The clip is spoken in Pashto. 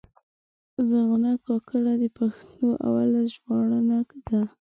زرغونه کاکړه د پښتو اوله ژباړنه ده.